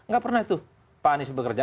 gak pernah itu pak anies bekerja